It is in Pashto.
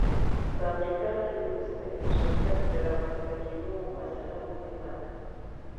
په امریکا کې د اوسپنې د شرکت د رامنځته کېدو مسأله مهمه ده